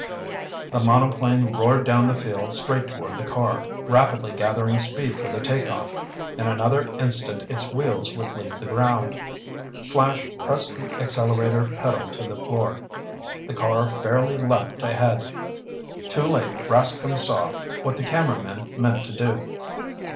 The monoplane roared down the field straight toward the car, rapidly gathering speed for the take off. In another instant its wheels would leave the ground. Flash pressed the accelerator pedal to the floor. The car fairly leaped ahead. Too late Rascomb saw what the cameramen meant to do.